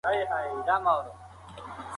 موږ به په راتلونکي کې نورې اسانتیاوې هم ولرو.